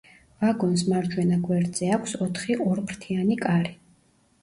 ვაგონს მარჯვენა გვერდზე აქვს ოთხი ორფრთიანი კარი.